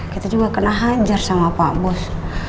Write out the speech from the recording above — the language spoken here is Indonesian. kita juga kena hajar sama pak bos